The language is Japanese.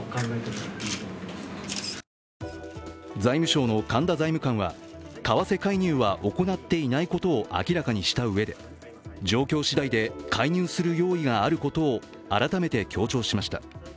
財務省の神田財務官は為替介入は行っていないことを明らかにしたうえで、状況しだいで介入する用意があることを改めて強調しました。